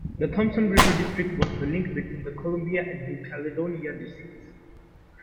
The Thompson River District was the link between the Columbia and New Caledonia Districts.